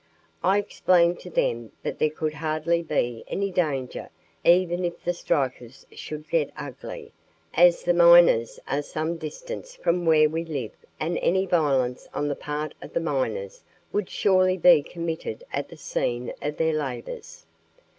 "I explained to them that there could hardly be any danger even if the strikers should get ugly, as the mines are some distance from where we live and any violence on the part of the miners would surely be committed at the scene of their labors.